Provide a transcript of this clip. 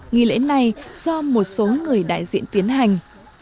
nghi lễ này do một số người đại diện tiến hành